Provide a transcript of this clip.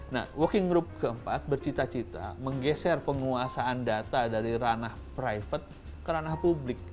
nah working group keempat bercita cita menggeser penguasaan data dari ranah private ke ranah publik